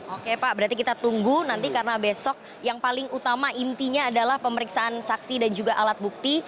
oke pak berarti kita tunggu nanti karena besok yang paling utama intinya adalah pemeriksaan saksi dan juga alat bukti